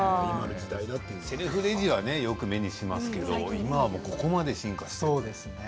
セルフレジは目にしますけれども今ここまで進化してるんだね。